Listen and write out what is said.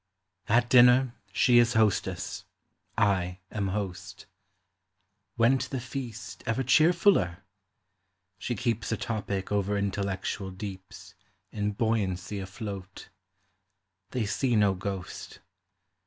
At dinner she is hostess, I am host. Went the feast ever cheerf tiller ? She keeps. The topic over intellectual deeps In buoyancy afloat. They see no ghost.